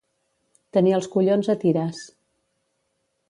Tenir els collons a tires.